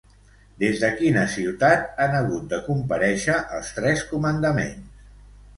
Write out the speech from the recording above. Des de quina ciutat han hagut de comparèixer els tres comandaments?